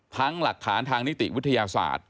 หลักฐานทางนิติวิทยาศาสตร์